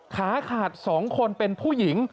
ขาขาด๒คนเป็นผู้หญิง